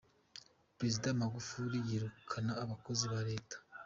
Perezida Magufuli yirukana Abakozi ba Leta